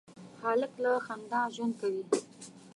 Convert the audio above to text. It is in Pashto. هلک له خندا ژوند کوي.